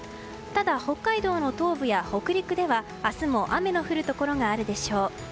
ただ、北海道の頭部や北陸では明日も雨の降るところがあるでしょう。